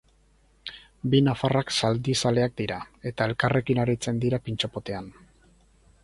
Bi nafarrak zaldizaleak dira, eta elkarrekin aritzen dira pintxo-potean.